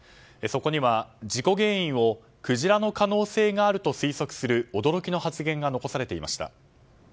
そこには事故原因をクジラの可能性があるとする驚きの発言が残されていました。